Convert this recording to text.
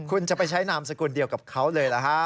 คุณจะไปใช้นามสกุลเดียวกับเขาเลยล่ะฮะ